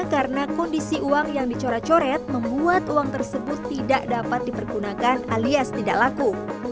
karena kondisi uang yang dicoracoret membuat uang tersebut tidak dapat dipergunakan alias tidak laku